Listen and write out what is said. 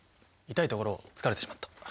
痛いところをつかれてしまった。